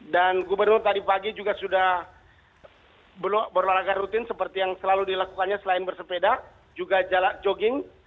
dan gubernur tadi pagi juga sudah berlarakan rutin seperti yang selalu dilakukannya selain bersepeda juga jalan jogging